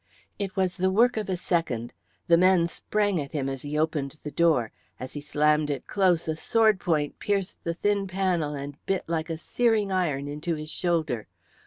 It was the work of a second. The men sprang at him as he opened the door; as he slammed it close a sword point pierced the thin panel and bit like a searing iron into his shoulder.